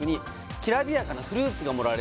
「きらびやかなフルーツが盛られて」